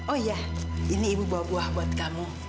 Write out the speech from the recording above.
oh iya ini ibu buah buat kamu